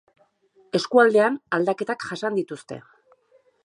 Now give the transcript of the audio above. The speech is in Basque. Eskualdeek aldaketak jasan dituzte.